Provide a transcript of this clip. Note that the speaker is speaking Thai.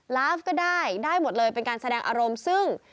ไลฟ์ก็ได้ได้หมดเลยเป็นการแสดงอารมณ์ซึ่ง